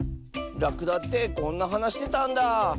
ラクダってこんなはなしてたんだあ。